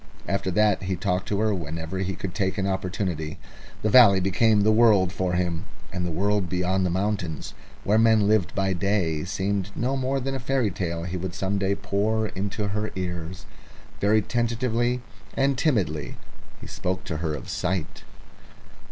After that he talked to her whenever he could take an opportunity. The valley became the world for him, and the world beyond the mountains where men lived in sunlight seemed no more than a fairy tale he would some day pour into her ears. Very tentatively and timidly he spoke to her of sight.